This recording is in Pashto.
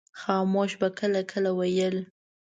خاموش به کله کله ویل.